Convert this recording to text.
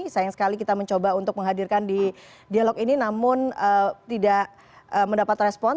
sayang sekali kita mencoba untuk menghadirkan di dialog ini namun tidak mendapat respon